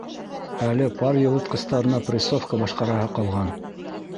Әле пар йылытҡыстарына прессовка башҡараһы ҡалған.